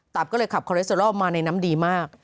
ับก็เลยขับคอเลสเตอรอลมาในน้ำดีมาก